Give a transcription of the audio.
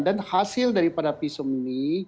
dan hasil daripada visum ini